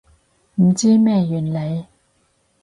唔知咩原理